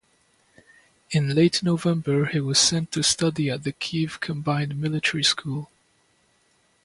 In late November he was sent to study at the Kiev Combined Military School.